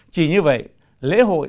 chỉ như vậy lễ hội